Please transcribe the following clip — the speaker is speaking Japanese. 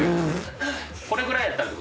これぐらいやったって事？